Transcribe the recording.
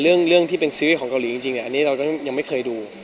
เรื่องเรื่องที่เป็นซีรีส์ของเกาหลีจริงเรื่องนี้เราก็ยังไม่เคยดู